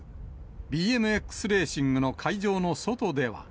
ＢＭＸレーシングの会場の外では。